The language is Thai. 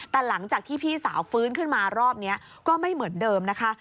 แต่หลังจากที่พี่สาวฟื้นขึ้นมารอบนี้ก็ไม่เหมือนเดิมนะคะ